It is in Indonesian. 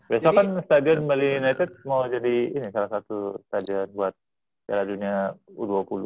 besok kan stadion bali united mau jadi ini salah satu stadion buat piala dunia u dua puluh